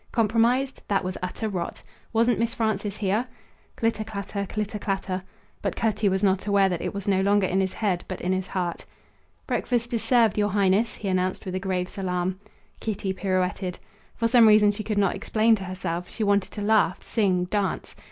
Compromised? That was utter rot! Wasn't Miss Frances here? Clitter clatter, clitter clatter. But Cutty was not aware that it was no longer in his head but in his heart. "Breakfast is served, Your Highness," he announced with a grave salaam. Kitty pirouetted. For some reason she could not explain to herself she wanted to laugh, sing, dance.